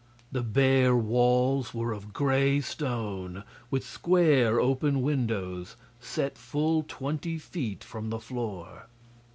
The bare walls were of gray stone, with square, open windows set full twenty feet from the floor.